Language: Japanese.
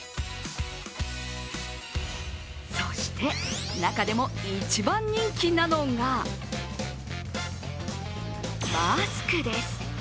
そして、中でも一番人気なのがマスクです。